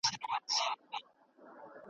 صداقت د بري لومړی شرط دی.